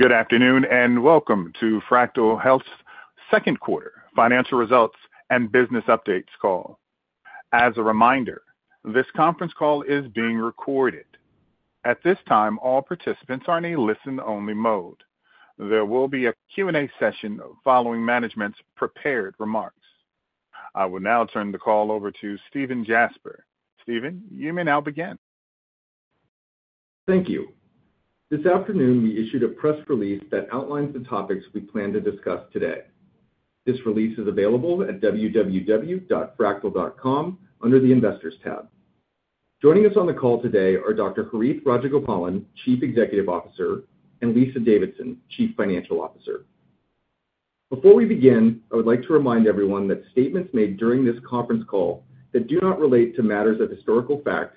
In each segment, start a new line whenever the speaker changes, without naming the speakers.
Good afternoon, and welcome to Fractyl Health's second quarter financial results and business updates call. As a reminder, this conference call is being recorded. At this time, all participants are in a listen-only mode. There will be a Q&A session following management's prepared remarks. I will now turn the call over to Stephen Jasper. Stephen, you may now begin.
Thank you. This afternoon, we issued a press release that outlines the topics we plan to discuss today. This release is available at www.fractyl.com under the Investors tab. Joining us on the call today are Dr. Harith Rajagopalan, Chief Executive Officer, and Lisa Davidson, Chief Financial Officer. Before we begin, I would like to remind everyone that statements made during this conference call that do not relate to matters of historical fact,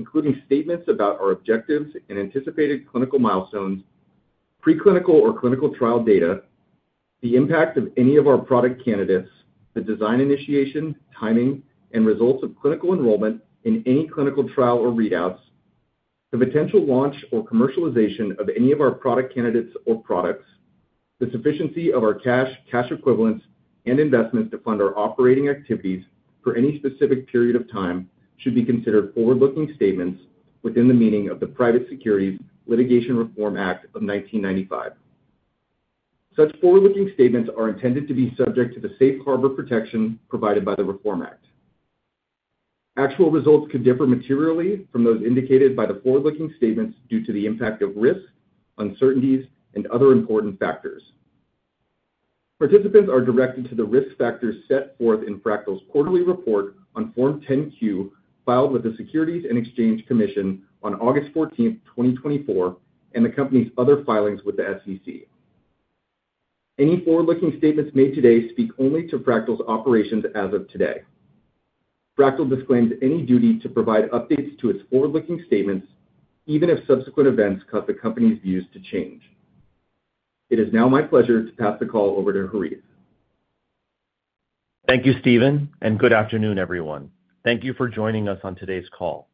including statements about our objectives and anticipated clinical milestones, preclinical or clinical trial data, the impact of any of our product candidates, the design, initiation, timing, and results of clinical enrollment in any clinical trial or readouts, the potential launch or commercialization of any of our product candidates or products, the sufficiency of our cash, cash equivalents, and investments to fund our operating activities for any specific period of time, should be considered forward-looking statements within the meaning of the Private Securities Litigation Reform Act of 1995. Such forward-looking statements are intended to be subject to the safe harbor protection provided by the Reform Act. Actual results could differ materially from those indicated by the forward-looking statements due to the impact of risks, uncertainties, and other important factors. Participants are directed to the risk factors set forth in Fractyl's quarterly report on Form 10-Q, filed with the Securities and Exchange Commission on August 14, 2024, and the company's other filings with the SEC. Any forward-looking statements made today speak only to Fractyl's operations as of today. Fractyl disclaims any duty to provide updates to its forward-looking statements, even if subsequent events cause the company's views to change. It is now my pleasure to pass the call over to Harith.
Thank you, Stephen, and good afternoon, everyone. Thank you for joining us on today's call.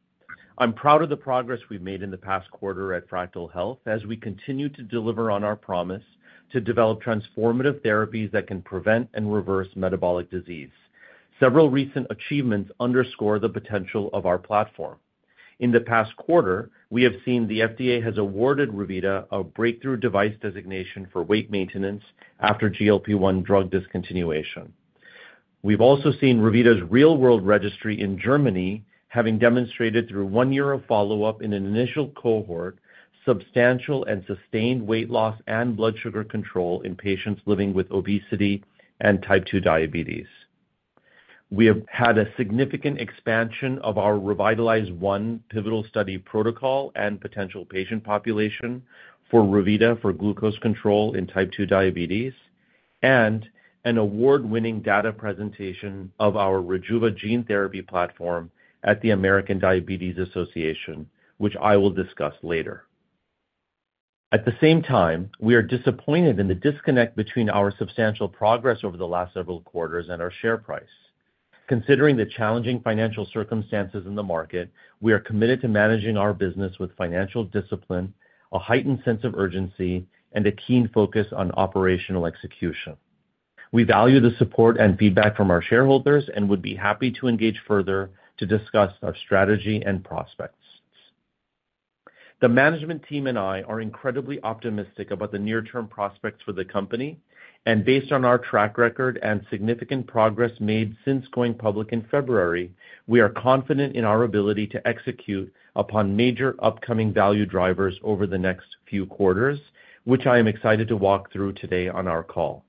I'm proud of the progress we've made in the past quarter at Fractyl Health as we continue to deliver on our promise to develop transformative therapies that can prevent and reverse metabolic disease. Several recent achievements underscore the potential of our platform. In the past quarter, we have seen the FDA has awarded Revita a breakthrough device designation for weight maintenance after GLP-1 drug discontinuation. We've also seen Revita's real-world registry in Germany, having demonstrated through one year of follow-up in an initial cohort, substantial and sustained weight loss and blood sugar control in patients living with obesity and type 2 diabetes. We have had a significant expansion of our Revitalize-1 pivotal study protocol and potential patient population for Revita for glucose control in type 2 diabetes, and an award-winning data presentation of our Rejuva gene therapy platform at the American Diabetes Association, which I will discuss later. At the same time, we are disappointed in the disconnect between our substantial progress over the last several quarters and our share price. Considering the challenging financial circumstances in the market, we are committed to managing our business with financial discipline, a heightened sense of urgency, and a keen focus on operational execution. We value the support and feedback from our shareholders and would be happy to engage further to discuss our strategy and prospects. The management team and I are incredibly optimistic about the near-term prospects for the company, and based on our track record and significant progress made since going public in February, we are confident in our ability to execute upon major upcoming value drivers over the next few quarters, which I am excited to walk through today on our call.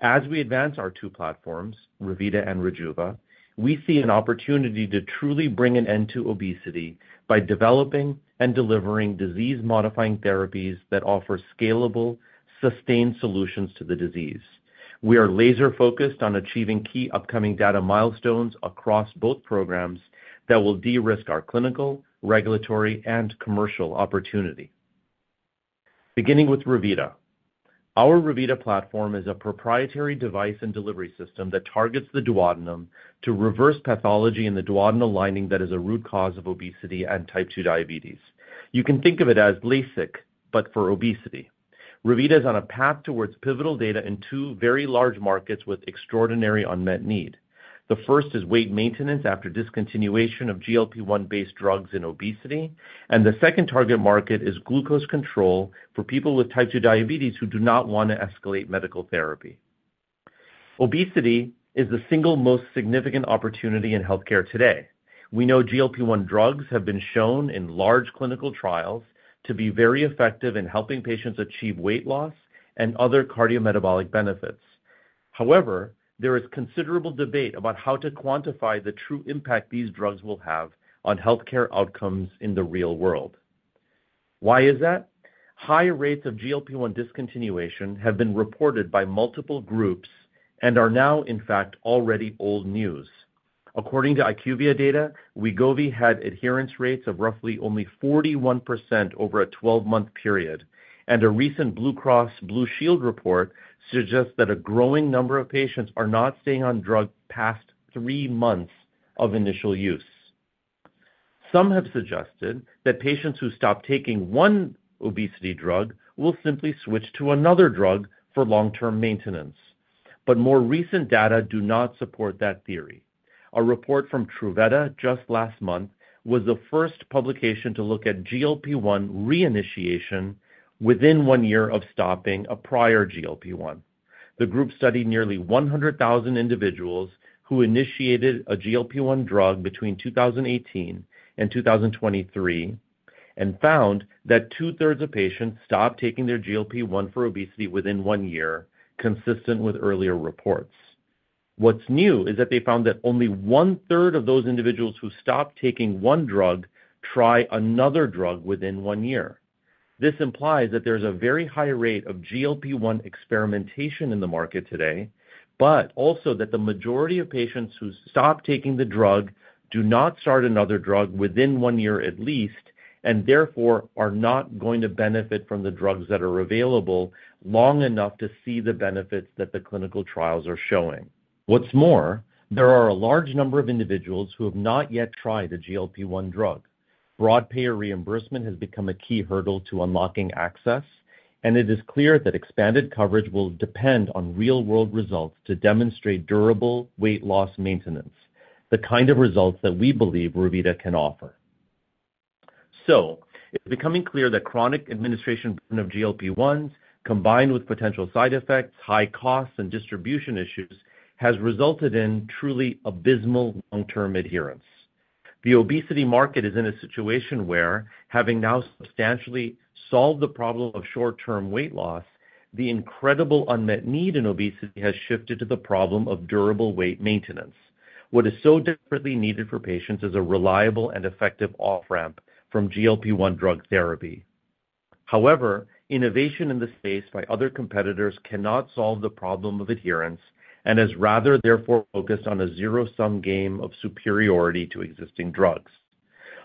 As we advance our two platforms, Revita and Rejuva, we see an opportunity to truly bring an end to obesity by developing and delivering disease-modifying therapies that offer scalable, sustained solutions to the disease. We are laser-focused on achieving key upcoming data milestones across both programs that will de-risk our clinical, regulatory, and commercial opportunity. Beginning with Revita. Our Revita platform is a proprietary device and delivery system that targets the duodenum to reverse pathology in the duodenal lining that is a root cause of obesity and type 2 diabetes. You can think of it as LASIK, but for obesity. Revita is on a path towards pivotal data in two very large markets with extraordinary unmet need. The first is weight maintenance after discontinuation of GLP-1-based drugs in obesity, and the second target market is glucose control for people with type 2 diabetes who do not want to escalate medical therapy. Obesity is the single most significant opportunity in healthcare today. We know GLP-1 drugs have been shown in large clinical trials to be very effective in helping patients achieve weight loss and other cardiometabolic benefits. However, there is considerable debate about how to quantify the true impact these drugs will have on healthcare outcomes in the real world. Why is that? High rates of GLP-1 discontinuation have been reported by multiple groups and are now, in fact, already old news. According to IQVIA data, Wegovy had adherence rates of roughly only 41% over a 12-month period, and a recent Blue Cross Blue Shield report suggests that a growing number of patients are not staying on drug past 3 months of initial use. Some have suggested that patients who stop taking one obesity drug will simply switch to another drug for long-term maintenance, but more recent data do not support that theory. A report from Truveta just last month was the first publication to look at GLP-1 reinitiation within 1 year of stopping a prior GLP-1. The group studied nearly 100,000 individuals who initiated a GLP-1 drug between 2018 and 2023, and found that two-thirds of patients stopped taking their GLP-1 for obesity within 1 year, consistent with earlier reports. What's new is that they found that only one-third of those individuals who stopped taking one drug try another drug within one year. This implies that there's a very high rate of GLP-1 experimentation in the market today, but also that the majority of patients who stop taking the drug do not start another drug within one year at least, and therefore are not going to benefit from the drugs that are available long enough to see the benefits that the clinical trials are showing. What's more, there are a large number of individuals who have not yet tried a GLP-1 drug. Broad payer reimbursement has become a key hurdle to unlocking access, and it is clear that expanded coverage will depend on real-world results to demonstrate durable weight loss maintenance, the kind of results that we believe Revita can offer. It's becoming clear that chronic administration of GLP-1, combined with potential side effects, high costs, and distribution issues, has resulted in truly abysmal long-term adherence. The obesity market is in a situation where, having now substantially solved the problem of short-term weight loss, the incredible unmet need in obesity has shifted to the problem of durable weight maintenance. What is so desperately needed for patients is a reliable and effective off-ramp from GLP-1 drug therapy. However, innovation in this space by other competitors cannot solve the problem of adherence and has rather therefore focused on a zero-sum game of superiority to existing drugs.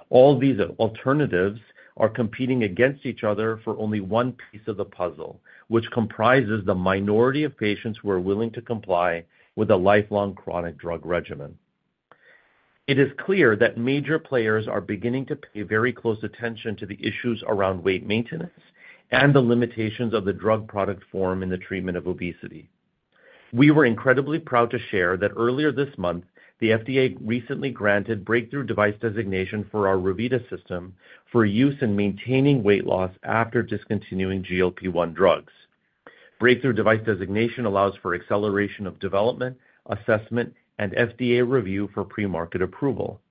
All these alternatives are competing against each other for only one piece of the puzzle, which comprises the minority of patients who are willing to comply with a lifelong chronic drug regimen. It is clear that major players are beginning to pay very close attention to the issues around weight maintenance and the limitations of the drug product form in the treatment of obesity. We were incredibly proud to share that earlier this month, the FDA recently granted breakthrough device designation for our Revita system for use in maintaining weight loss after discontinuing GLP-1 drugs. Breakthrough device designation allows for acceleration of development, assessment, and FDA review for pre-market approval.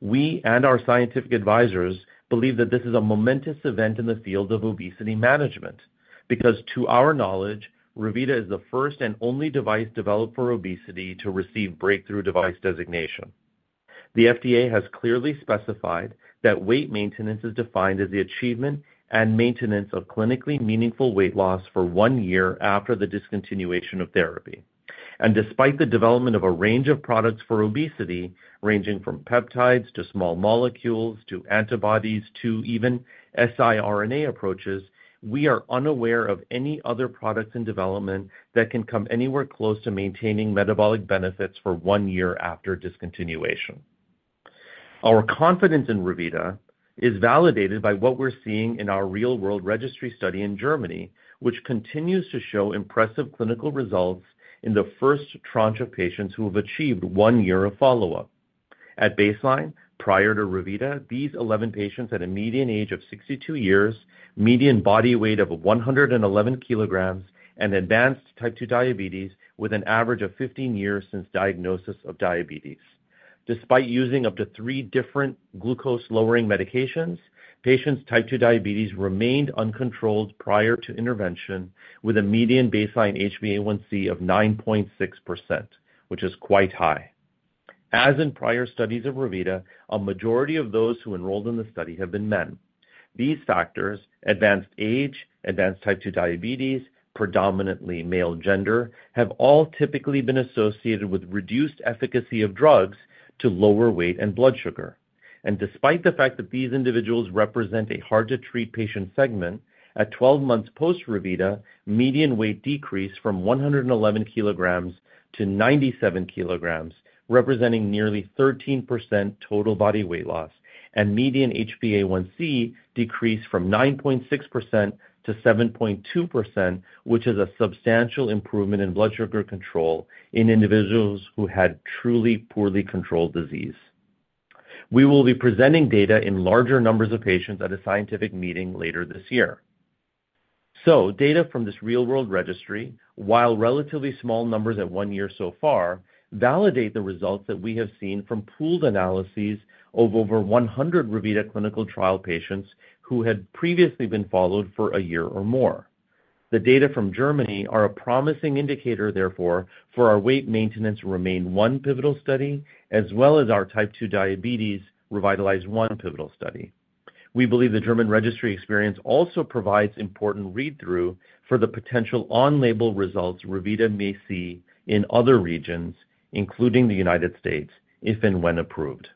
We and our scientific advisors believe that this is a momentous event in the field of obesity management, because to our knowledge, Revita is the first and only device developed for obesity to receive breakthrough device designation. The FDA has clearly specified that weight maintenance is defined as the achievement and maintenance of clinically meaningful weight loss for one year after the discontinuation of therapy. Despite the development of a range of products for obesity, ranging from peptides, to small molecules, to antibodies, to even siRNA approaches, we are unaware of any other products in development that can come anywhere close to maintaining metabolic benefits for one year after discontinuation. Our confidence in Revita is validated by what we're seeing in our real-world registry study in Germany, which continues to show impressive clinical results in the first tranche of patients who have achieved one year of follow-up. At baseline, prior to Revita, these 11 patients had a median age of 62 years, median body weight of 111 kilograms, and advanced type 2 diabetes, with an average of 15 years since diagnosis of diabetes. Despite using up to 3 different glucose-lowering medications, patients' Type 2 diabetes remained uncontrolled prior to intervention, with a median baseline HbA1c of 9.6%, which is quite high. As in prior studies of Revita, a majority of those who enrolled in the study have been men. These factors, advanced age, advanced Type 2 diabetes, predominantly male gender, have all typically been associated with reduced efficacy of drugs to lower weight and blood sugar. Despite the fact that these individuals represent a hard-to-treat patient segment, at 12 months post-Revita, median weight decreased from 111 kilograms to 97 kilograms, representing nearly 13% total body weight loss, and median HbA1c decreased from 9.6% to 7.2%, which is a substantial improvement in blood sugar control in individuals who had truly poorly controlled disease. We will be presenting data in larger numbers of patients at a scientific meeting later this year. So data from this real-world registry, while relatively small numbers at one year so far, validate the results that we have seen from pooled analyses of over 100 Revita clinical trial patients who had previously been followed for a year or more. The data from Germany are a promising indicator, therefore, for our weight maintenance REMAIN-1 pivotal study, as well as our type 2 diabetes Revitalize-1 pivotal study. We believe the German registry experience also provides important read-through for the potential on-label results Revita may see in other regions, including the United States, if and when approved.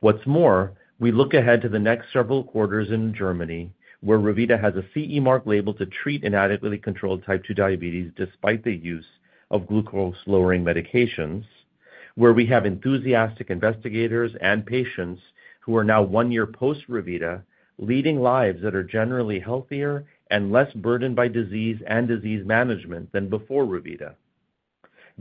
What's more, we look ahead to the next several quarters in Germany, where Revita has a CE mark label to treat inadequately controlled type 2 diabetes, despite the use of-... of glucose-lowering medications, where we have enthusiastic investigators and patients who are now one year post-Revita, leading lives that are generally healthier and less burdened by disease and disease management than before Revita.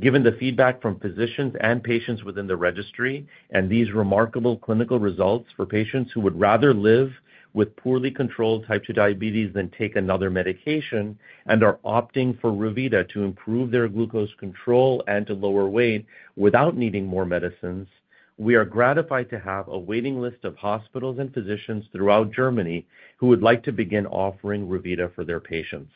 Given the feedback from physicians and patients within the registry, and these remarkable clinical results for patients who would rather live with poorly controlled type 2 diabetes than take another medication, and are opting for Revita to improve their glucose control and to lower weight without needing more medicines, we are gratified to have a waiting list of hospitals and physicians throughout Germany who would like to begin offering Revita for their patients.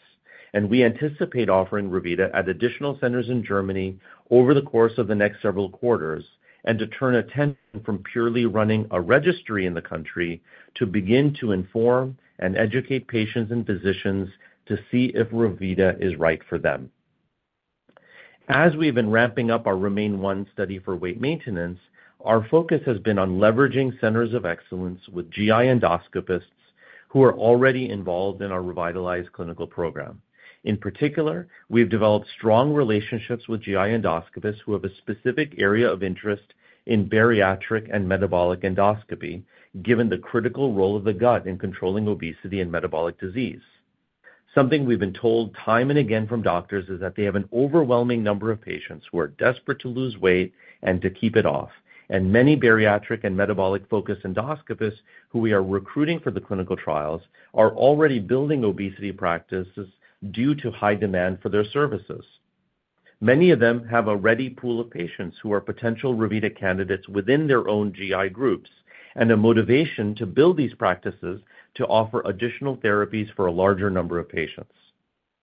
We anticipate offering Revita at additional centers in Germany over the course of the next several quarters, and to turn attention from purely running a registry in the country to begin to inform and educate patients and physicians to see if Revita is right for them. As we've been ramping up our REMAIN-1 study for weight maintenance, our focus has been on leveraging centers of excellence with GI endoscopists who are already involved in our Revitalize-1 clinical program. In particular, we've developed strong relationships with GI endoscopists who have a specific area of interest in bariatric and metabolic endoscopy, given the critical role of the gut in controlling obesity and metabolic disease. Something we've been told time and again from doctors is that they have an overwhelming number of patients who are desperate to lose weight and to keep it off. Many bariatric and metabolic-focused endoscopists who we are recruiting for the clinical trials are already building obesity practices due to high demand for their services. Many of them have a ready pool of patients who are potential Revita candidates within their own GI groups, and a motivation to build these practices to offer additional therapies for a larger number of patients.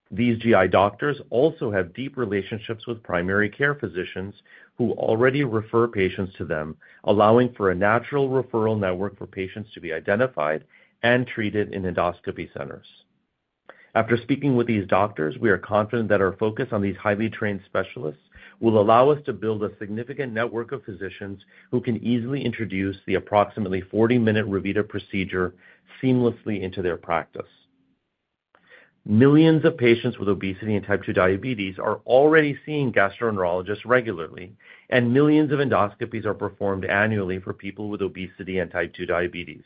These GI doctors also have deep relationships with primary care physicians who already refer patients to them, allowing for a natural referral network for patients to be identified and treated in endoscopy centers. After speaking with these doctors, we are confident that our focus on these highly trained specialists will allow us to build a significant network of physicians who can easily introduce the approximately 40-minute Revita procedure seamlessly into their practice. Millions of patients with obesity and type 2 diabetes are already seeing gastroenterologists regularly, and millions of endoscopies are performed annually for people with obesity and type 2 diabetes.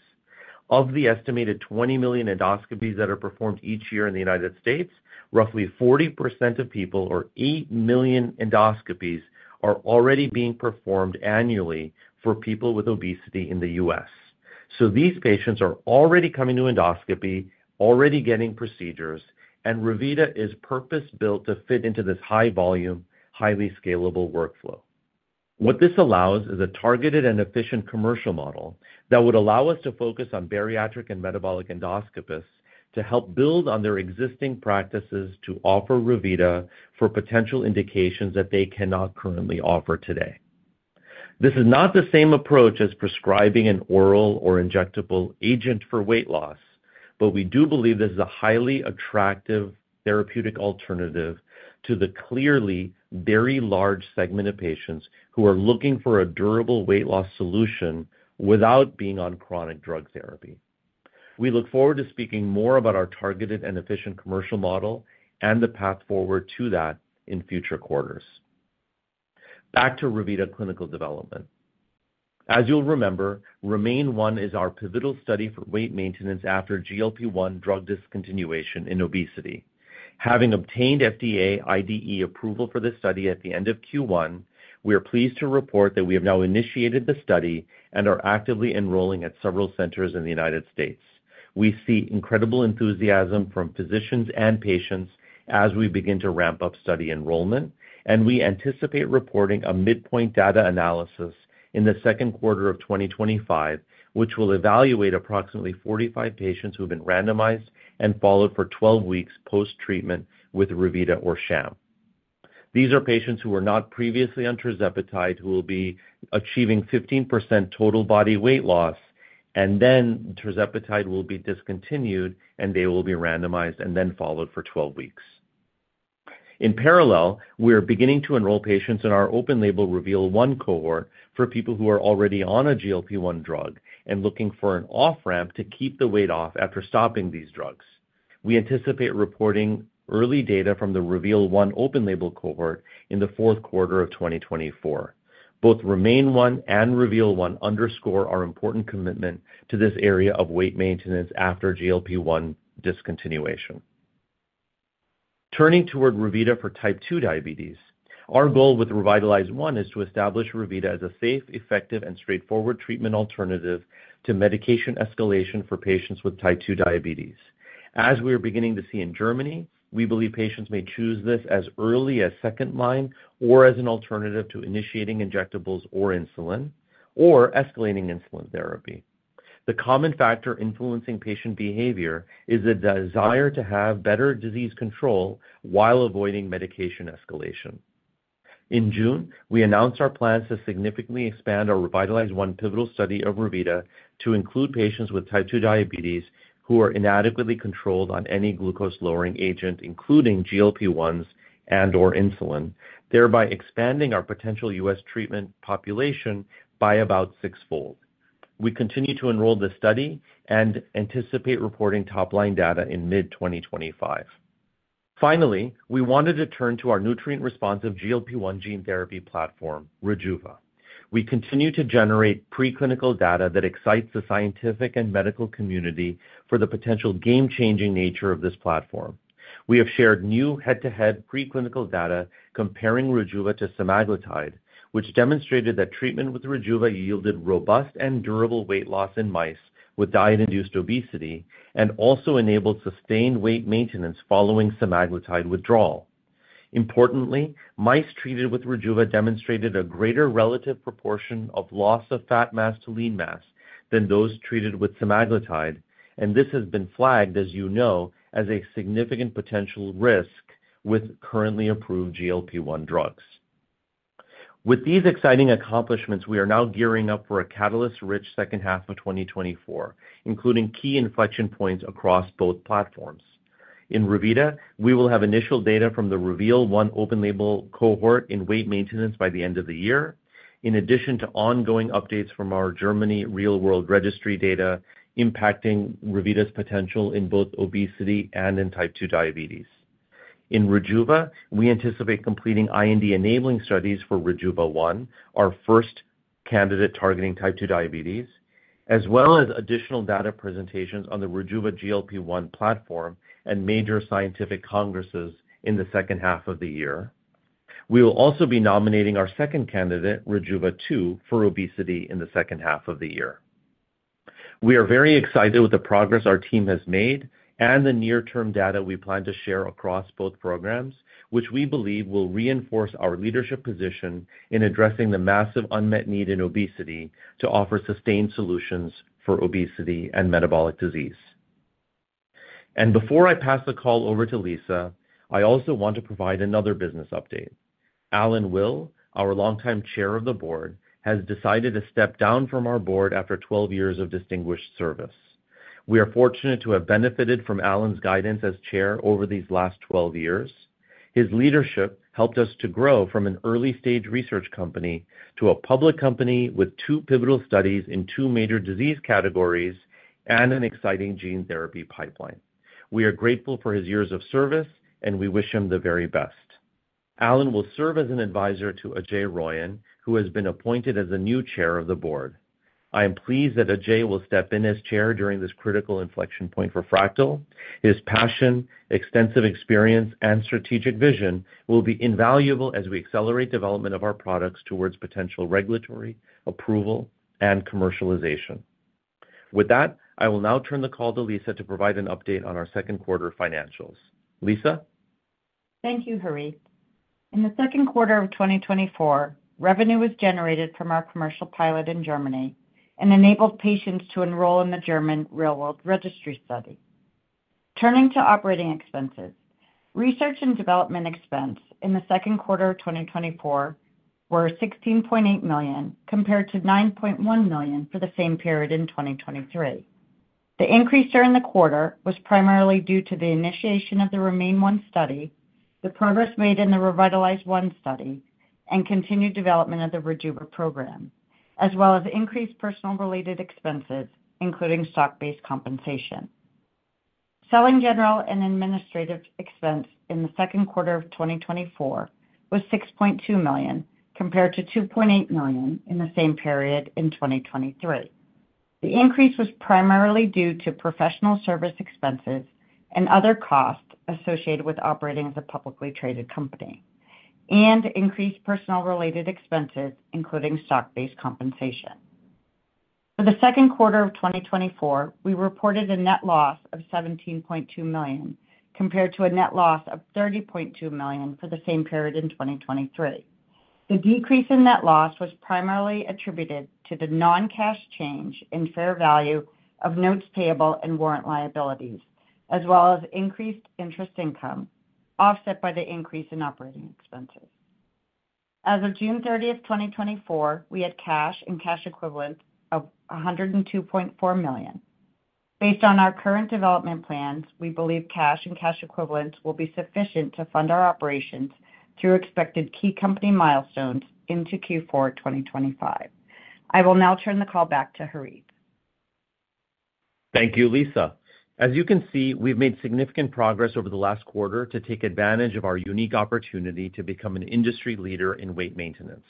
Of the estimated 20 million endoscopies that are performed each year in the United States, roughly 40% of people, or 8 million endoscopies, are already being performed annually for people with obesity in the US. So these patients are already coming to endoscopy, already getting procedures, and Revita is purpose-built to fit into this high volume, highly scalable workflow. What this allows is a targeted and efficient commercial model that would allow us to focus on bariatric and metabolic endoscopists to help build on their existing practices to offer Revita for potential indications that they cannot currently offer today. This is not the same approach as prescribing an oral or injectable agent for weight loss, but we do believe this is a highly attractive therapeutic alternative to the clearly very large segment of patients who are looking for a durable weight loss solution without being on chronic drug therapy. We look forward to speaking more about our targeted and efficient commercial model and the path forward to that in future quarters. Back to Revita clinical development. As you'll remember, REMAIN-1 is our pivotal study for weight maintenance after GLP-1 drug discontinuation in obesity. Having obtained FDA IDE approval for this study at the end of Q1, we are pleased to report that we have now initiated the study and are actively enrolling at several centers in the United States. We see incredible enthusiasm from physicians and patients as we begin to ramp up study enrollment, and we anticipate reporting a midpoint data analysis in the second quarter of 2025, which will evaluate approximately 45 patients who have been randomized and followed for 12 weeks post-treatment with Revita or sham. These are patients who were not previously on tirzepatide, who will be achieving 15% total body weight loss, and then tirzepatide will be discontinued, and they will be randomized and then followed for 12 weeks. In parallel, we are beginning to enroll patients in our open-label REVEAL-1 cohort for people who are already on a GLP-1 drug and looking for an off-ramp to keep the weight off after stopping these drugs. We anticipate reporting early data from the REVEAL-1 open-label cohort in the fourth quarter of 2024. Both REMAIN-1 and REVEAL-1 underscore our important commitment to this area of weight maintenance after GLP-1 discontinuation. Turning toward Revita for type 2 diabetes, our goal with Revitalize-1 is to establish Revita as a safe, effective, and straightforward treatment alternative to medication escalation for patients with type 2 diabetes. As we are beginning to see in Germany, we believe patients may choose this as early as second-line, or as an alternative to initiating injectables or insulin, or escalating insulin therapy. The common factor influencing patient behavior is a desire to have better disease control while avoiding medication escalation. In June, we announced our plans to significantly expand our Revitalize-1 pivotal study of Revita to include patients with type 2 diabetes who are inadequately controlled on any glucose-lowering agent, including GLP-1s and/or insulin, thereby expanding our potential U.S. treatment population by about sixfold. We continue to enroll the study and anticipate reporting top-line data in mid-2025. Finally, we wanted to turn to our nutrient-responsive GLP-1 gene therapy platform, Rejuva. We continue to generate preclinical data that excites the scientific and medical community for the potential game-changing nature of this platform. We have shared new head-to-head preclinical data comparing Rejuva to semaglutide, which demonstrated that treatment with Rejuva yielded robust and durable weight loss in mice with diet-induced obesity, and also enabled sustained weight maintenance following semaglutide withdrawal. Importantly, mice treated with Rejuva demonstrated a greater relative proportion of loss of fat mass to lean mass than those treated with semaglutide, and this has been flagged, as you know, as a significant potential risk with currently approved GLP-1 drugs. With these exciting accomplishments, we are now gearing up for a catalyst-rich second half of 2024, including key inflection points across both platforms. In Revita, we will have initial data from the REVEAL-1 open label cohort in weight maintenance by the end of the year, in addition to ongoing updates from our Germany real-world registry data impacting Revita's potential in both obesity and in Type 2 diabetes. In Rejuva, we anticipate completing IND-enabling studies for Rejuva-1, our first candidate targeting Type 2 diabetes, as well as additional data presentations on the Rejuva GLP-1 platform and major scientific congresses in the second half of the year. We will also be nominating our second candidate, Rejuva-2, for obesity in the second half of the year. We are very excited with the progress our team has made and the near-term data we plan to share across both programs, which we believe will reinforce our leadership position in addressing the massive unmet need in obesity to offer sustained solutions for obesity and metabolic disease. Before I pass the call over to Lisa, I also want to provide another business update. Allan Will, our longtime chair of the board, has decided to step down from our board after 12 years of distinguished service. We are fortunate to have benefited from Allan's guidance as chair over these last 12 years. His leadership helped us to grow from an early-stage research company to a public company with two pivotal studies in two major disease categories and an exciting gene therapy pipeline. We are grateful for his years of service, and we wish him the very best. Allan will serve as an advisor to Ajay Royan, who has been appointed as the new chair of the board. I am pleased that Ajay will step in as chair during this critical inflection point for Fractyl. His passion, extensive experience, and strategic vision will be invaluable as we accelerate development of our products towards potential regulatory approval and commercialization. With that, I will now turn the call to Lisa to provide an update on our second quarter financials. Lisa?
Thank you, Harith. In the second quarter of 2024, revenue was generated from our commercial pilot in Germany and enabled patients to enroll in the German real-world registry study. Turning to operating expenses, research and development expense in the second quarter of 2024 were $16.8 million, compared to $9.1 million for the same period in 2023. The increase during the quarter was primarily due to the initiation of the REMAIN-1 study, the progress made in the Revitalize-1 study, and continued development of the Rejuva program, as well as increased personnel-related expenses, including stock-based compensation. Selling general and administrative expense in the second quarter of 2024 was $6.2 million, compared to $2.8 million in the same period in 2023. The increase was primarily due to professional service expenses and other costs associated with operating as a publicly traded company, and increased personnel-related expenses, including stock-based compensation. For the second quarter of 2024, we reported a net loss of $17.2 million, compared to a net loss of $30.2 million for the same period in 2023. The decrease in net loss was primarily attributed to the non-cash change in fair value of notes payable and warrant liabilities, as well as increased interest income, offset by the increase in operating expenses. As of June 30, 2024, we had cash and cash equivalents of $102.4 million. Based on our current development plans, we believe cash and cash equivalents will be sufficient to fund our operations through expected key company milestones into Q4 2025. I will now turn the call back to Harith.
Thank you, Lisa. As you can see, we've made significant progress over the last quarter to take advantage of our unique opportunity to become an industry leader in weight maintenance.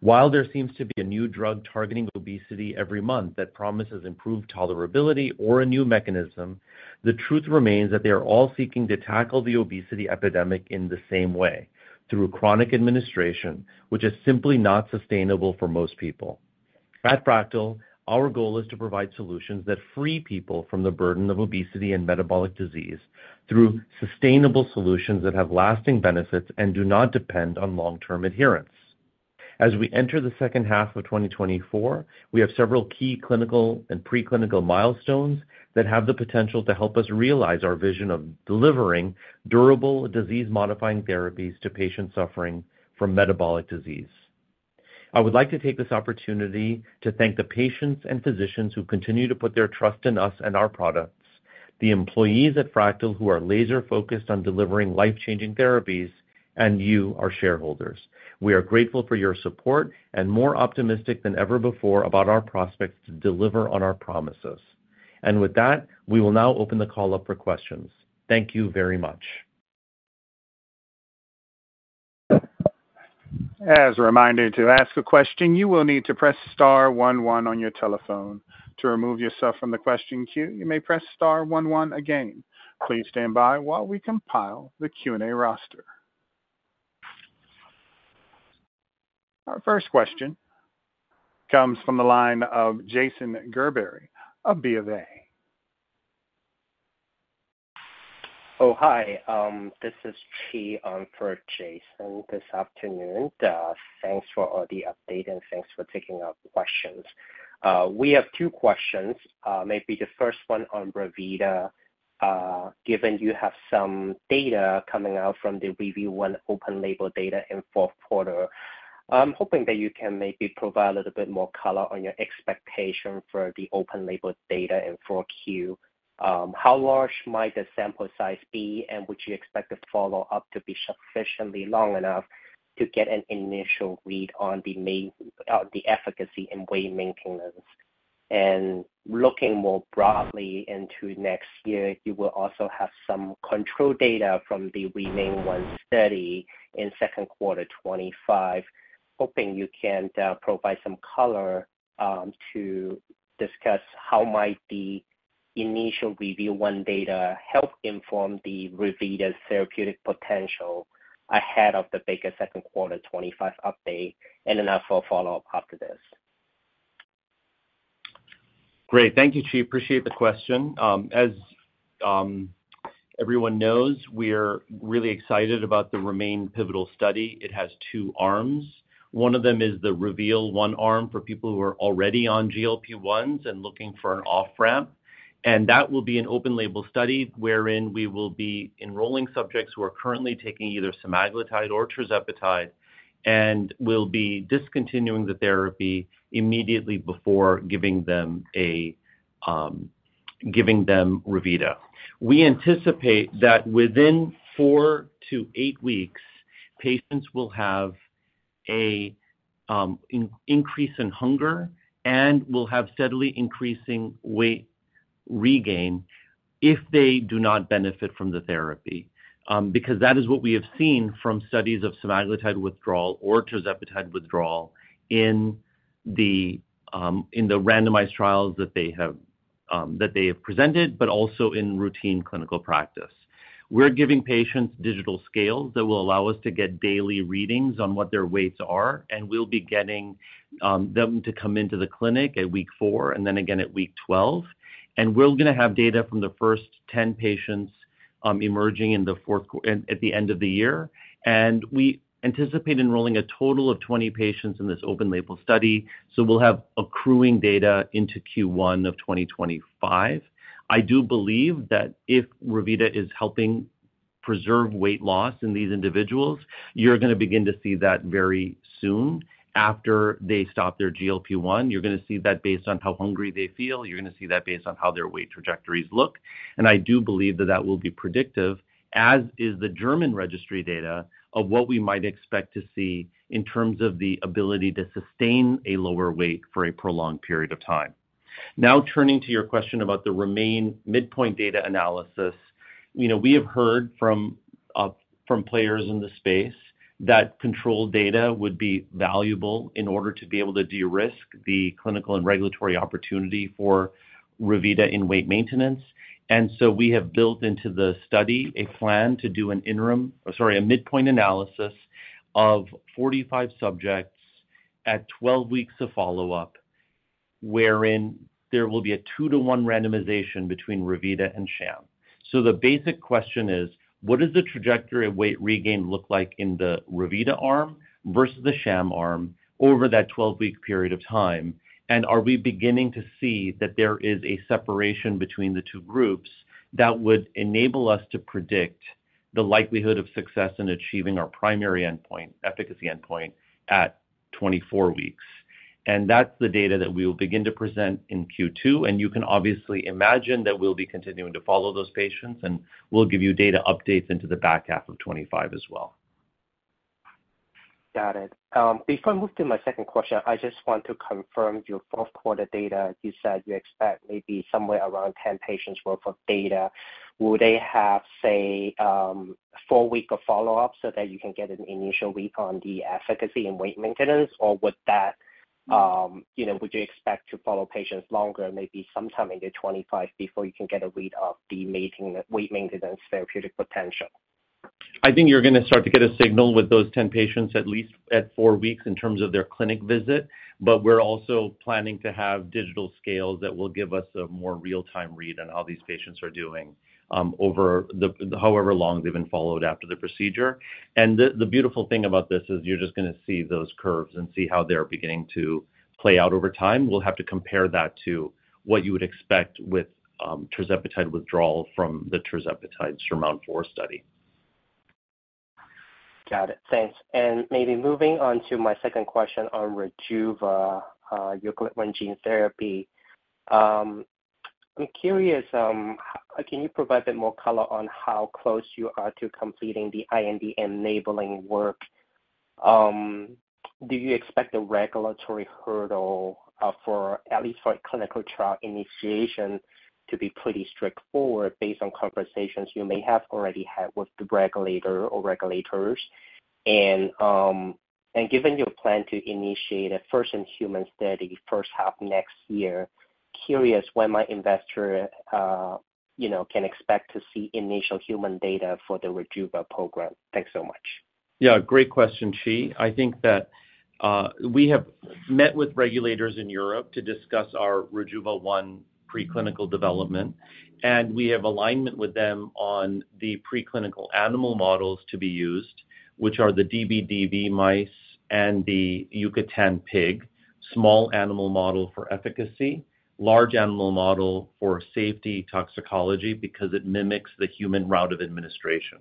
While there seems to be a new drug targeting obesity every month that promises improved tolerability or a new mechanism, the truth remains that they are all seeking to tackle the obesity epidemic in the same way: through chronic administration, which is simply not sustainable for most people. At Fractyl, our goal is to provide solutions that free people from the burden of obesity and metabolic disease through sustainable solutions that have lasting benefits and do not depend on long-term adherence. As we enter the second half of 2024, we have several key clinical and preclinical milestones that have the potential to help us realize our vision of delivering durable, disease-modifying therapies to patients suffering from metabolic disease. I would like to take this opportunity to thank the patients and physicians who continue to put their trust in us and our products... the employees at Fractyl who are laser focused on delivering life-changing therapies, and you, our shareholders. We are grateful for your support and more optimistic than ever before about our prospects to deliver on our promises. And with that, we will now open the call up for questions. Thank you very much.
As a reminder, to ask a question, you will need to press star one one on your telephone. To remove yourself from the question queue, you may press star one one again. Please stand by while we compile the Q&A roster. Our first question comes from the line of Jason Gerberry of BofA.
Oh, hi. This is Chi in for Jason this afternoon. Thanks for all the update, and thanks for taking our questions. We have two questions. Maybe the first one on Revita. Given you have some data coming out from the REVEAL-1 open label data in fourth quarter, I'm hoping that you can maybe provide a little bit more color on your expectation for the open label data in 4Q. How large might the sample size be, and would you expect the follow-up to be sufficiently long enough to get an initial read on the main, the efficacy and weight maintenance? And looking more broadly into next year, you will also have some control data from the REMAIN-1 study in second quarter 2025. Hoping you can provide some color to discuss how might the initial REVEAL-1 data help inform Revita's therapeutic potential ahead of the bigger second quarter 2025 update, and then I'll follow up after this.
Great. Thank you, Chi. Appreciate the question. As everyone knows, we are really excited about the REMAIN-1 pivotal study. It has two arms. One of them is the REVEAL-1 arm for people who are already on GLP-1s and looking for an off-ramp. And that will be an open label study wherein we will be enrolling subjects who are currently taking either semaglutide or tirzepatide and will be discontinuing the therapy immediately before giving them Revita. We anticipate that within four to eight weeks, patients will have an increase in hunger and will have steadily increasing weight regain if they do not benefit from the therapy. Because that is what we have seen from studies of semaglutide withdrawal or tirzepatide withdrawal in the randomized trials that they have presented, but also in routine clinical practice. We're giving patients digital scales that will allow us to get daily readings on what their weights are, and we'll be getting them to come into the clinic at week 4 and then again at week 12. We're going to have data from the first 10 patients emerging at the end of the year. We anticipate enrolling a total of 20 patients in this open-label study, so we'll have accruing data into Q1 of 2025. I do believe that if Revita is helping preserve weight loss in these individuals, you're going to begin to see that very soon after they stop their GLP-1. You're going to see that based on how hungry they feel. You're going to see that based on how their weight trajectories look. And I do believe that that will be predictive, as is the German registry data, of what we might expect to see in terms of the ability to sustain a lower weight for a prolonged period of time. Now, turning to your question about the REMAIN-1 midpoint data analysis. You know, we have heard from, from players in the space that control data would be valuable in order to be able to de-risk the clinical and regulatory opportunity for Revita in weight maintenance. And so we have built into the study a plan to do an interim, or sorry, a midpoint analysis of 45 subjects at 12 weeks of follow-up, wherein there will be a 2-to-1 randomization between Revita and sham. So the basic question is, what does the trajectory of weight regain look like in the Revita arm versus the sham arm over that 12-week period of time? And are we beginning to see that there is a separation between the two groups that would enable us to predict the likelihood of success in achieving our primary endpoint, efficacy endpoint, at 24 weeks? And that's the data that we will begin to present in Q2, and you can obviously imagine that we'll be continuing to follow those patients, and we'll give you data updates into the back half of 2025 as well.
Got it. Before I move to my second question, I just want to confirm your fourth quarter data. You said you expect maybe somewhere around 10 patients worth of data. Will they have, say, 4 weeks of follow-up so that you can get an initial read on the efficacy and weight maintenance? Or would that, you know, would you expect to follow patients longer, maybe sometime in the 25, before you can get a read of the maintain- weight maintenance therapeutic potential?
I think you're going to start to get a signal with those 10 patients, at least at 4 weeks, in terms of their clinic visit. But we're also planning to have digital scales that will give us a more real-time read on how these patients are doing, over however long they've been followed after the procedure. And the beautiful thing about this is you're just going to see those curves and see how they're beginning to play out over time. We'll have to compare that to what you would expect with tirzepatide withdrawal from the tirzepatide SURMOUNT-4 study....
Got it. Thanks. And maybe moving on to my second question on Rejuva, your GLP-1 gene therapy. I'm curious, can you provide a bit more color on how close you are to completing the IND-enabling work? Do you expect a regulatory hurdle, for at least a clinical trial initiation to be pretty straightforward based on conversations you may have already had with the regulator or regulators? And, and given your plan to initiate a first-in-human study first half next year, curious when my investor, you know, can expect to see initial human data for the Rejuva program. Thanks so much.
Yeah, great question, Chi. I think that we have met with regulators in Europe to discuss our Rejuva-1 preclinical development, and we have alignment with them on the preclinical animal models to be used, which are the db/db mice and the Yucatan pig. Small animal model for efficacy, large animal model for safety toxicology, because it mimics the human route of administration.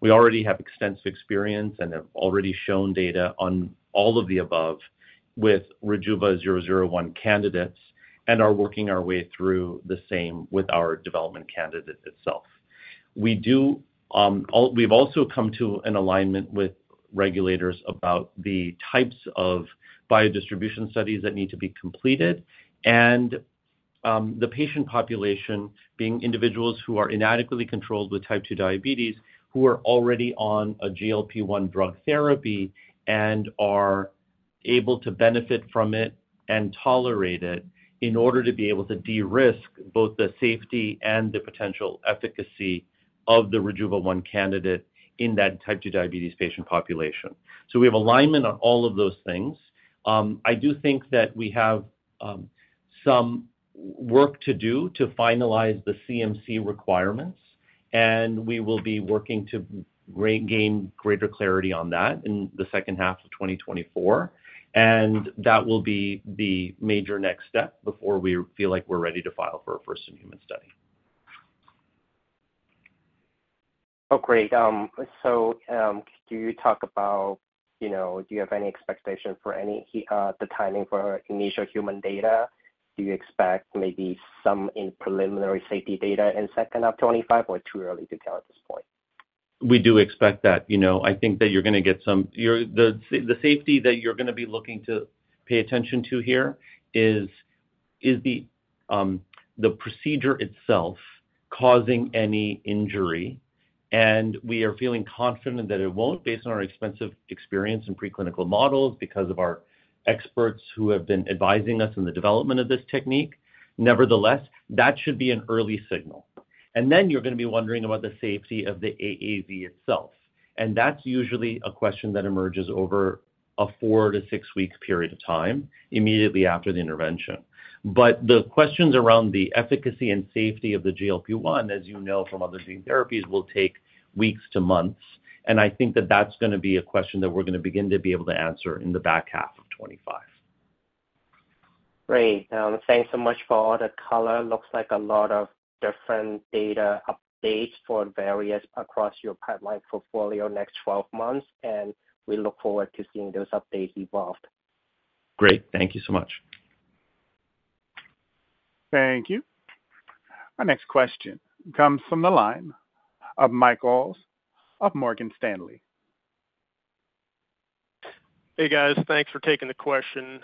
We already have extensive experience and have already shown data on all of the above with Rejuva-001 candidates and are working our way through the same with our development candidate itself. We do, we've also come to an alignment with regulators about the types of biodistribution studies that need to be completed, and, the patient population, being individuals who are inadequately controlled with Type 2 diabetes, who are already on a GLP-1 drug therapy and are able to benefit from it and tolerate it, in order to be able to de-risk both the safety and the potential efficacy of the Rejuva-1 candidate in that Type 2 diabetes patient population. So we have alignment on all of those things. I do think that we have some work to do to finalize the CMC requirements, and we will be working to gain greater clarity on that in the second half of 2024, and that will be the major next step before we feel like we're ready to file for a first-in-human study.
Oh, great. So, could you talk about, you know, do you have any expectation for any, the timing for initial human data? Do you expect maybe some in preliminary safety data in second of 2025, or too early to tell at this point?
We do expect that. You know, I think that you're going to get the safety that you're going to be looking to pay attention to here is the procedure itself causing any injury, and we are feeling confident that it won't, based on our extensive experience in preclinical models, because of our experts who have been advising us in the development of this technique. Nevertheless, that should be an early signal. And then you're going to be wondering about the safety of the AAV itself, and that's usually a question that emerges over a 4- to 6-week period of time, immediately after the intervention. But the questions around the efficacy and safety of the GLP-1, as you know from other gene therapies, will take weeks to months, and I think that that's going to be a question that we're going to begin to be able to answer in the back half of 2025.
Great. Thanks so much for all the color. Looks like a lot of different data updates for various across your pipeline portfolio next 12 months, and we look forward to seeing those updates evolved.
Great. Thank you so much.
Thank you. Our next question comes from the line of Michael Ulz of Morgan Stanley.
Hey, guys. Thanks for taking the question.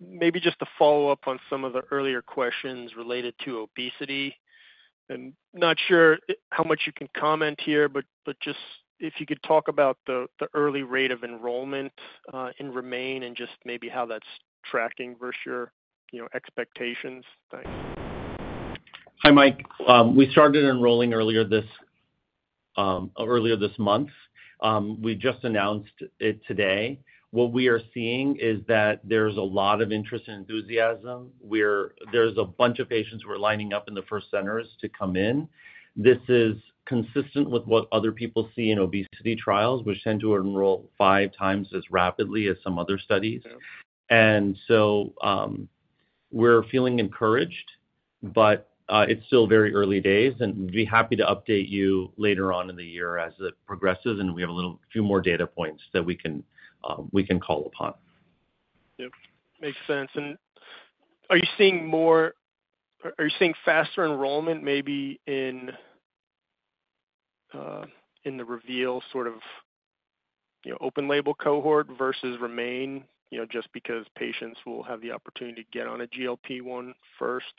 Maybe just to follow up on some of the earlier questions related to obesity, and not sure how much you can comment here, but just if you could talk about the early rate of enrollment in REMAIN-1 and just maybe how that's tracking versus your, you know, expectations. Thanks.
Hi, Mike. We started enrolling earlier this month. We just announced it today. What we are seeing is that there's a lot of interest and enthusiasm, where there's a bunch of patients who are lining up in the first centers to come in. This is consistent with what other people see in obesity trials, which tend to enroll five times as rapidly as some other studies.
Yep.
We're feeling encouraged, but it's still very early days, and we'd be happy to update you later on in the year as it progresses and we have a few more data points that we can call upon.
Yep, makes sense. And are you seeing faster enrollment, maybe in the REVEAL sort of, you know, open label cohort versus REMAIN? You know, just because patients will have the opportunity to get on a GLP-1 first.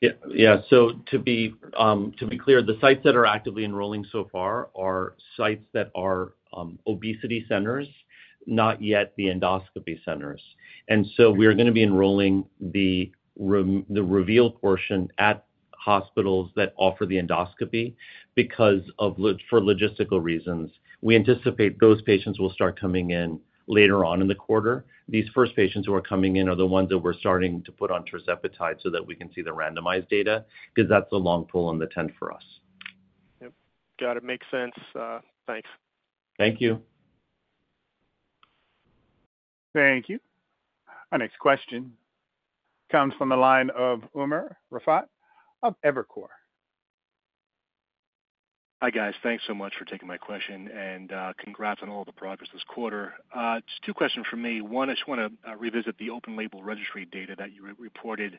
Yeah. Yeah. So to be clear, the sites that are actively enrolling so far are sites that are obesity centers, not yet the endoscopy centers. We are going to be enrolling the REVEAL portion at hospitals that offer the endoscopy for logistical reasons. We anticipate those patients will start coming in later on in the quarter. These first patients who are coming in are the ones that we're starting to put on tirzepatide so that we can see the randomized data, because that's the long pull in the tent for us.
Yep. Got it. Makes sense. Thanks.
Thank you.
Thank you. Our next question comes from the line of Umer Raffat of Evercore.
Hi, guys. Thanks so much for taking my question, and congrats on all the progress this quarter. Just two questions for me. One, I just want to revisit the open label registry data that you re-reported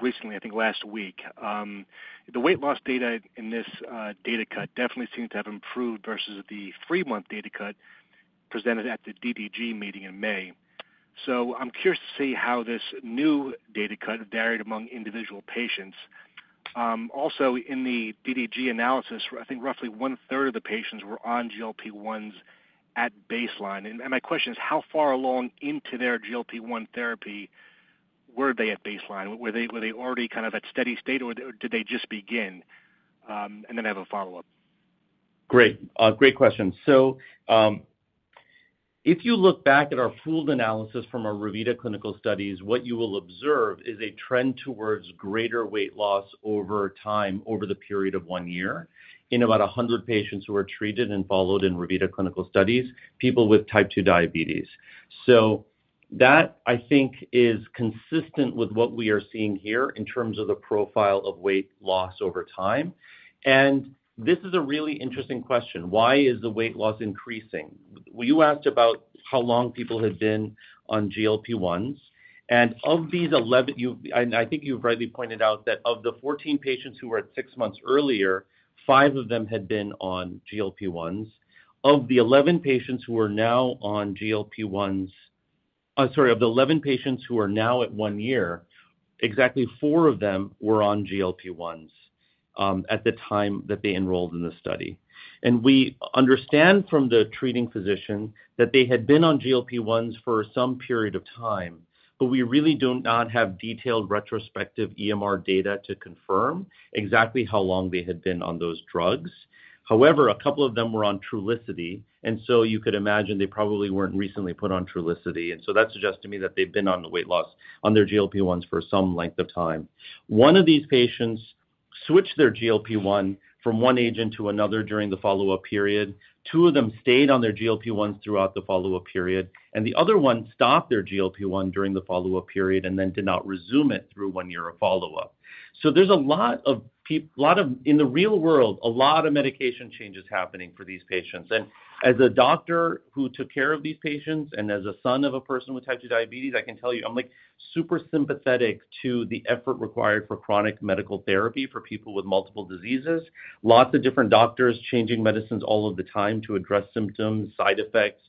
recently, I think last week. The weight loss data in this data cut definitely seemed to have improved versus the three-month data cut presented at the DDG meeting in May. So I'm curious to see how this new data cut varied among individual patients. Also in the DDG analysis, I think roughly one-third of the patients were on GLP-1s at baseline. And my question is, how far along into their GLP-1 therapy were they at baseline? Were they already kind of at steady state, or did they just begin? And then I have a follow-up.
Great. Great question. So, if you look back at our pooled analysis from our Revita clinical studies, what you will observe is a trend towards greater weight loss over time, over the period of one year in about 100 patients who were treated and followed in Revita clinical studies, people with Type 2 diabetes. So that, I think, is consistent with what we are seeing here in terms of the profile of weight loss over time. And this is a really interesting question: Why is the weight loss increasing? You asked about how long people had been on GLP-1s, and of these 11, you, and I think you've rightly pointed out that of the 14 patients who were at six months earlier, five of them had been on GLP-1s. Of the 11 patients who are now on GLP-1s, sorry, of the 11 patients who are now at one year, exactly four of them were on GLP-1s, at the time that they enrolled in the study. And we understand from the treating physician that they had been on GLP-1s for some period of time, but we really do not have detailed retrospective EMR data to confirm exactly how long they had been on those drugs. However, a couple of them were on Trulicity, and so you could imagine they probably weren't recently put on Trulicity, and so that suggests to me that they've been on the weight loss, on their GLP-1s for some length of time. One of these patients switched their GLP-1 from one agent to another during the follow-up period. Two of them stayed on their GLP-1s throughout the follow-up period, and the other one stopped their GLP-1 during the follow-up period and then did not resume it through one year of follow-up. So there's a lot of, in the real world, a lot of medication changes happening for these patients. As a doctor who took care of these patients and as a son of a person with type 2 diabetes, I can tell you, I'm, like, super sympathetic to the effort required for chronic medical therapy for people with multiple diseases. Lots of different doctors changing medicines all of the time to address symptoms, side effects,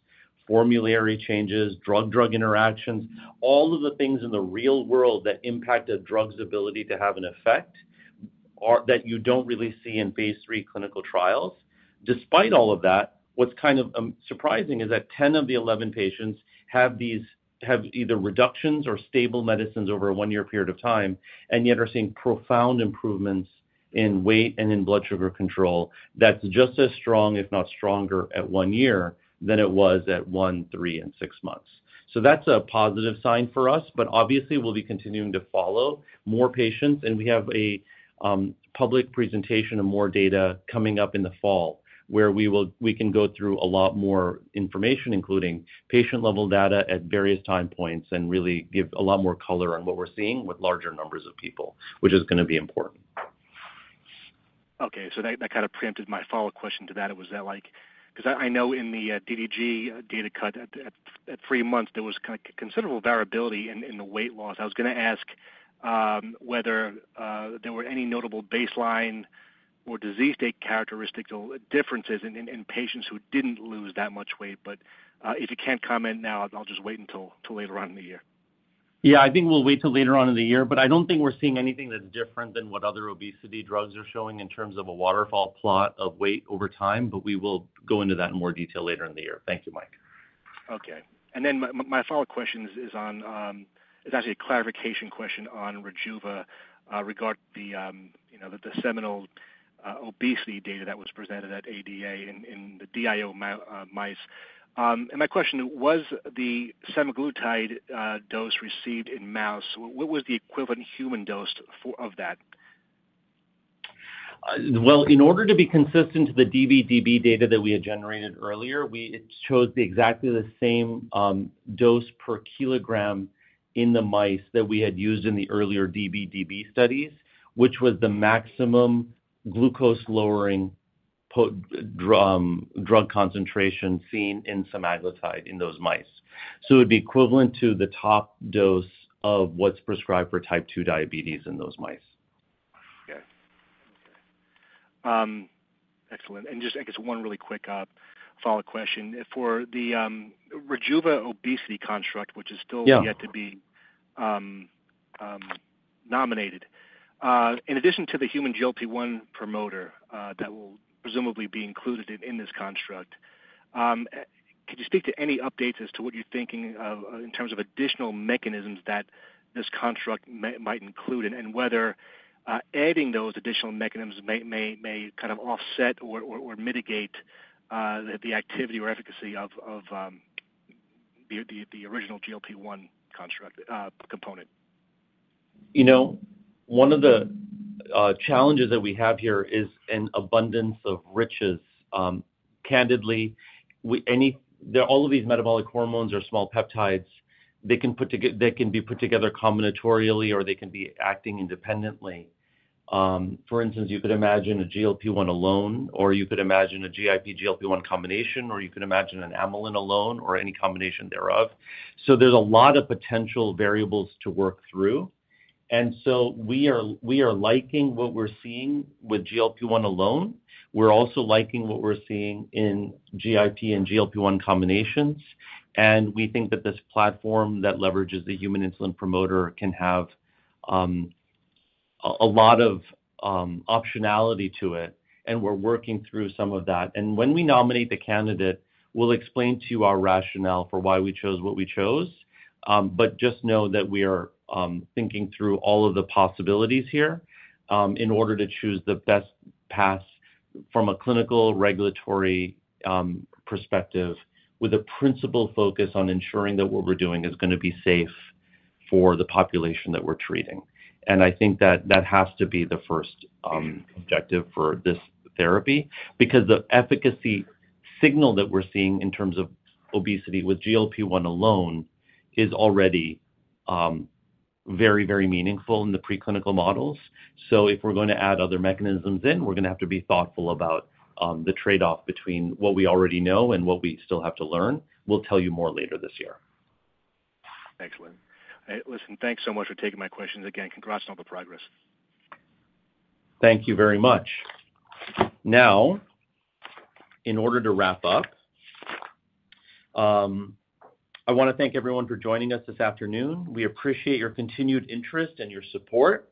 formulary changes, drug-drug interactions, all of the things in the real world that impact a drug's ability to have an effect, or that you don't really see in phase III clinical trials. Despite all of that, what's kind of surprising is that 10 of the 11 patients have these, have either reductions or stable medicines over a one year period of time, and yet are seeing profound improvements in weight and in blood sugar control that's just as strong, if not stronger, at one year than it was at one, three, and six months. So that's a positive sign for us, but obviously, we'll be continuing to follow more patients, and we have a public presentation and more data coming up in the fall, where we will, we can go through a lot more information, including patient-level data at various time points, and really give a lot more color on what we're seeing with larger numbers of people, which is gonna be important.
Okay, so that kind of preempted my follow-up question to that. It was that, like... 'cause I know in the DDG data cut at three months, there was kind of considerable variability in the weight loss. I was gonna ask whether there were any notable baseline or disease state characteristics or differences in patients who didn't lose that much weight. But if you can't comment now, I'll just wait until later on in the year.
Yeah, I think we'll wait till later on in the year, but I don't think we're seeing anything that's different than what other obesity drugs are showing in terms of a waterfall plot of weight over time, but we will go into that in more detail later in the year. Thank you, Mike.
Okay. And then my follow-up question is actually a clarification question on Rejuva regarding the, you know, the seminal obesity data that was presented at ADA in the DIO mice. And my question: Was the semaglutide dose received in mouse what was the equivalent human dose for of that?
Well, in order to be consistent to the db/db data that we had generated earlier, we chose exactly the same dose per kilogram in the mice that we had used in the earlier db/db studies, which was the maximum glucose-lowering drug concentration seen in semaglutide in those mice. So it'd be equivalent to the top dose of what's prescribed for type 2 diabetes in those mice.
Okay. Excellent. And just, I guess, one really quick follow-up question. For the Rejuva obesity construct, which is still-
Yeah...
yet to be nominated, in addition to the human GLP-1 promoter, that will presumably be included in this construct, could you speak to any updates as to what you're thinking of, in terms of additional mechanisms that this construct may, might include? And whether adding those additional mechanisms may kind of offset or mitigate the activity or efficacy of the original GLP-1 construct component?...
You know, one of the challenges that we have here is an abundance of riches. Candidly, we, all of these metabolic hormones are small peptides. They can put together, they can be put together combinatorially, or they can be acting independently. For instance, you could imagine a GLP-1 alone, or you could imagine a GIP/GLP-1 combination, or you could imagine an amylin alone, or any combination thereof. So there's a lot of potential variables to work through, and so we are, we are liking what we're seeing with GLP-1 alone. We're also liking what we're seeing in GIP and GLP-1 combinations, and we think that this platform that leverages the human insulin promoter can have a lot of optionality to it, and we're working through some of that. When we nominate the candidate, we'll explain to you our rationale for why we chose what we chose. But just know that we are thinking through all of the possibilities here in order to choose the best path from a clinical, regulatory perspective, with a principal focus on ensuring that what we're doing is gonna be safe for the population that we're treating. I think that that has to be the first objective for this therapy, because the efficacy signal that we're seeing in terms of obesity with GLP-1 alone is already very, very meaningful in the preclinical models. If we're going to add other mechanisms in, we're gonna have to be thoughtful about the trade-off between what we already know and what we still have to learn. We'll tell you more later this year.
Excellent. Hey, listen, thanks so much for taking my questions. Again, congrats on all the progress.
Thank you very much. Now, in order to wrap up, I want to thank everyone for joining us this afternoon. We appreciate your continued interest and your support,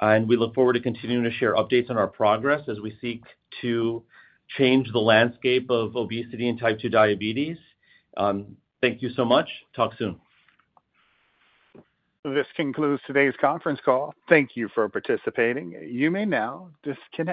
and we look forward to continuing to share updates on our progress as we seek to change the landscape of obesity and type 2 diabetes. Thank you so much. Talk soon.
This concludes today's conference call. Thank you for participating. You may now disconnect.